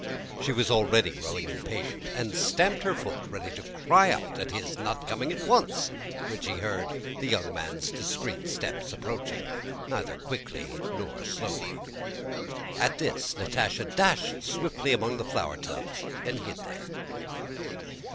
She was already growing impatient, and stamped her foot, ready to cry at his not coming at once, when she heard the young man's discreet steps approaching neither quickly nor slowly. At this Natásha dashed swiftly among the flower tubs and hid there.